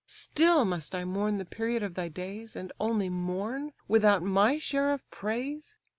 Still must I mourn the period of thy days, And only mourn, without my share of praise?